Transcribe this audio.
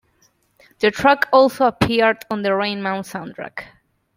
The track also appeared on the "Rain Man" soundtrack.